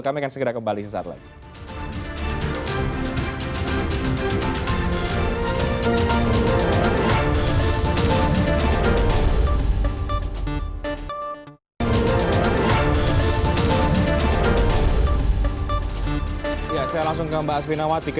kami akan segera kembali sesaat lagi